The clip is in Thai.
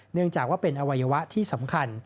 เนื่องจากว่าเป็นอวัยวะที่สำคัญ